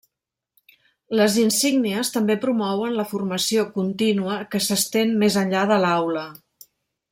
Les insígnies també promouen la formació contínua que s'estén més enllà de l'aula.